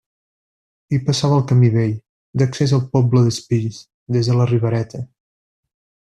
Hi passava el camí vell d'accés al poble d'Espills des de la Ribereta.